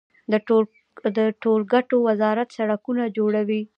د ټولګټو وزارت سړکونه جوړوي